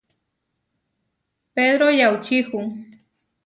Pedró yaučíhu.